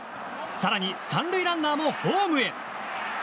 更に３塁ランナーもホームへ！